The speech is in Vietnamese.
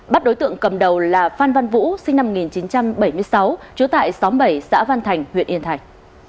bắt đối tượng cầm đầu là phan văn vũ sinh năm một nghìn chín trăm bảy mươi sáu trú tại xóm bảy xã văn thành huyện yên thành